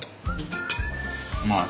うまい。